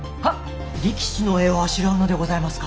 力士の絵をあしらうのでございますか！？